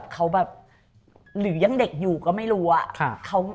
เขาแบบหรือยังเด็กอยู่ก็ไม่รู้อะ